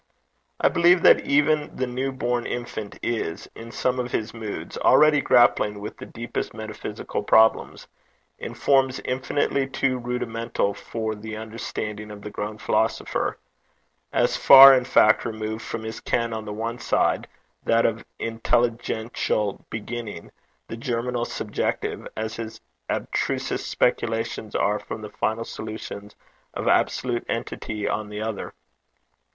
I believe that even the new born infant is, in some of his moods, already grappling with the deepest metaphysical problems, in forms infinitely too rudimental for the understanding of the grown philosopher as far, in fact, removed from his ken on the one side, that of intelligential beginning, the germinal subjective, as his abstrusest speculations are from the final solutions of absolute entity on the other.